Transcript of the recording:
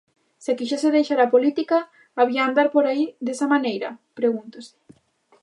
Se quixese deixar a política, había andar por aí desa maneira?, pregúntase.